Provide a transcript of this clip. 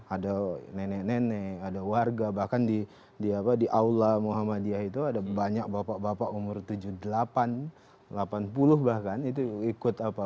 ada nenek nenek ada warga bahkan di aula muhammadiyah itu ada banyak bapak bapak umur tujuh puluh delapan delapan puluh bahkan itu ikut apa